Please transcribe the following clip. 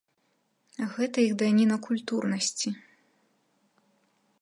Гэта іх даніна культурнасці.